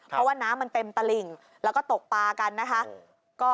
เพราะว่าน้ำมันเต็มตลิ่งแล้วก็ตกปลากันนะคะ